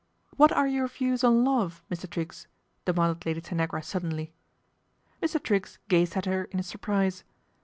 " What are your views on love, Mr. Triggs ? "I demanded Lady Tanagra suddenly. Mr. Triggs gazed at her in surprise.